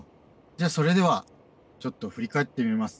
それではちょっと振り返ってみます。